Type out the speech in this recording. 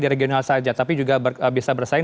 di regional saja tapi juga bisa bersaing